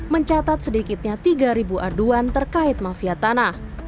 mencatat sedikitnya tiga aduan terkait mafia tanah